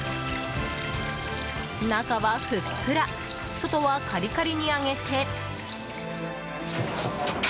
中はふっくら外はカリカリに揚げて。